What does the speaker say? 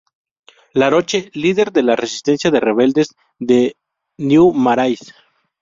Laroche: Líder de la resistencia de rebeldes de New Marais.